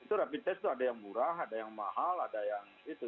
jadi rapid test itu ada yang murah ada yang mahal ada yang itu